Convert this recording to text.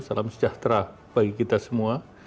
salam sejahtera bagi kita semua